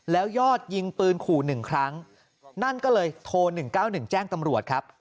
แล้วยอดยิงปืนขู่๑ครั้งนั่นก็เลยโทร๑๙๑แจ้งตำรวจครับ